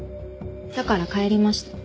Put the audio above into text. だから帰りました。